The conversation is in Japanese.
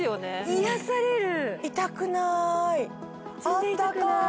癒やされる痛くなーいあったかい